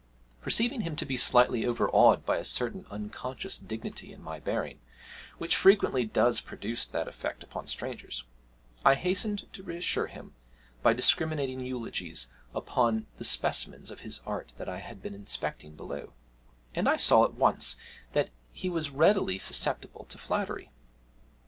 Perceiving him to be slightly overawed by a certain unconscious dignity in my bearing, which frequently does produce that effect upon strangers, I hastened to reassure him by discriminating eulogies upon the specimens of his art that I had been inspecting below, and I saw at once that he was readily susceptible to flattery.